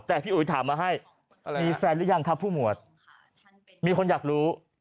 แต่พี่อุ๋ยถามมาให้มีแฟนหรือยังครับผู้หมวดมีคนอยากรู้